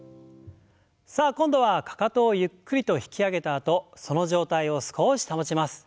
さあ今度はかかとをゆっくりと引き上げたあとその状態を少し保ちます。